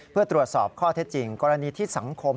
เพื่อตรวจสอบข้อเท็จจริงกรณีที่สังคม